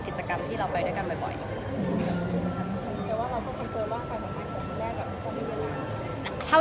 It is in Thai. กิจกรรมร่วมกันน่าจะเป็นนูเนี่ยแหละค่ะ